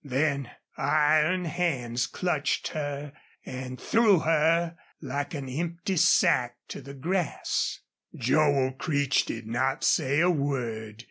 Then iron hands clutched her and threw her, like an empty sack, to the grass. Joel Creech did not say a word.